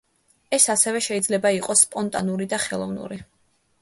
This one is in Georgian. ეს ასევე შეიძლება იყოს სპონტანური და ხელოვნური.